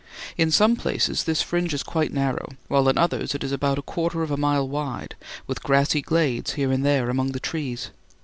In some places this fringe is quite narrow, while in others it is about a quarter of a mile wide, with grassy glades here and there among the trees.